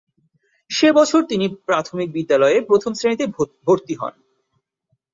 সে বছর তিনি প্রাথমিক বিদ্যালয়ে প্রথম শ্রেণিতে ভর্তি হন।